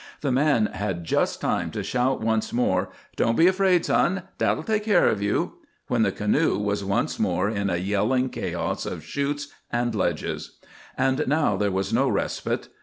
The man had just time to shout once more, "Don't be afraid, son. Dad'll take care of you," when the canoe was once more in a yelling chaos of chutes and ledges. And now there was no respite.